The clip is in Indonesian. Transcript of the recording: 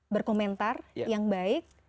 berkomentar yang baik